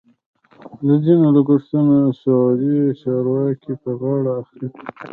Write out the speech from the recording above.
د ځینو لګښتونه سعودي چارواکي په غاړه اخلي.